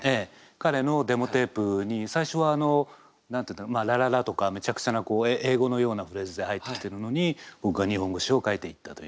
彼のデモテープに最初はあのラララとかめちゃくちゃな英語のようなフレーズで入ってきてるのに僕が日本語詞を書いていったという。